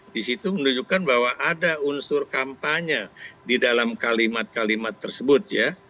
di situ menunjukkan bahwa ada unsur kampanye di dalam kalimat kalimat tersebut ya